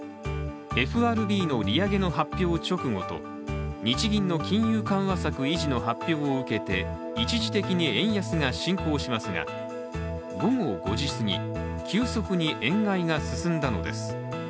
ＦＲＢの利上げの発表直後と日銀の金融緩和策維持の発表を受けて一時的に円安が進行しますが、午後５時すぎ、急速に円買いが進んだのです。